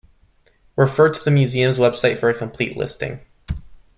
Refer to the museums website for a complete listing.